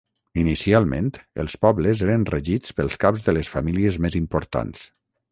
Inicialment, els pobles eren regits pels caps de les famílies més importants.